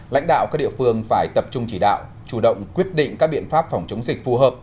lãnh đạo các địa phương phải tập trung chỉ đạo chủ động quyết định các biện pháp phòng chống dịch phù hợp